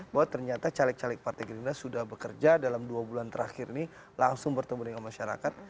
bahwa ternyata caleg caleg partai gerindra sudah bekerja dalam dua bulan terakhir ini langsung bertemu dengan masyarakat